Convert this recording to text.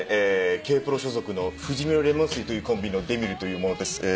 Ｋ−ＰＲＯ所属の不死身のレモン水というコンビのデミルという者です。